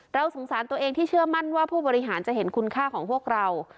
เราสงสารตัวเองที่เชื่อมั่นว่าผู้บริหารจะเห็นคุณค่าของพวกเรา